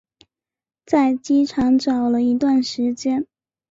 在机场找了一段时间